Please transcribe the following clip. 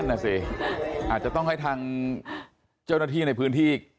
นั่นน่ะสิอาจจะต้องให้ทางเจ้าหน้าที่ในพื้นที่